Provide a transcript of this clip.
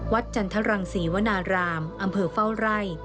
จันทรังศรีวนารามอำเภอเฝ้าไร่